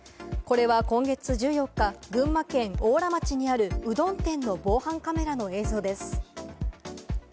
これは今月１４日、群馬県邑楽町にある、うどん店の防犯カメラの映像です。